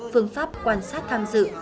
phương pháp quan sát tham dự